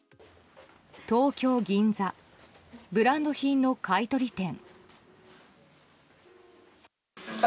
東京・銀座ブランド品の買い取り店。